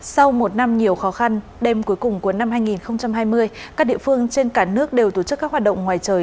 sau một năm nhiều khó khăn đêm cuối cùng của năm hai nghìn hai mươi các địa phương trên cả nước đều tổ chức các hoạt động ngoài trời